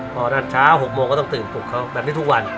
พอนานเช้า๖โมงก็ต้องตื่นปลุกเขาแบบนี้ทุกวัน